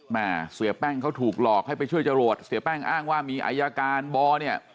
แม่เสียแป้งเขาถูกหลอกให้ไปช่วยจรวดเสียแป้งอ้างว่ามีอายการบอเนี่ย